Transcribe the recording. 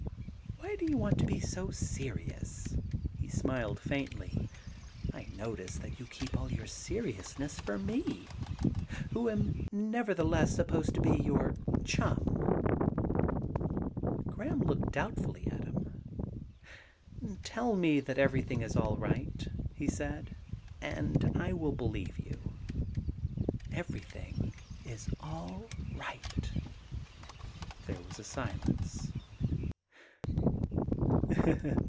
... Why do you want to be so serious ?' He smiled faintly. * I notice that you keep all your seriousness for me, who am never theless supposed to be your chum.' Graham looked doubtfully at him. ^Tell me that ever3i;hing is all right,' he said, *and I will believe you.' * Everything is all right.' There was a silence.